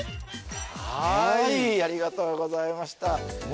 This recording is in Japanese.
はーいありがとうございましたそうですね